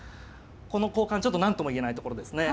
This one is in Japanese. この交換ちょっと何とも言えないところですね。